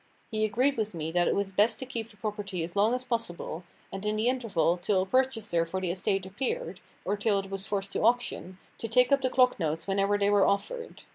He agreed with me that it was best to keep the property as long as possible, and in the interval, till a purchaser for the estate appeared, or till it was forced to auction, to take up the clock notes whenever they were offered.